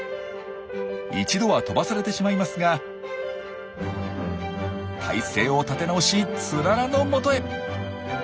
一度は飛ばされてしまいますが体勢を立て直しツララのもとへ。